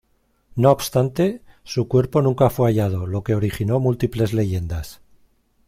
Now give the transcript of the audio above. No obstante, su cuerpo nunca fue hallado, lo que originó múltiples leyendas.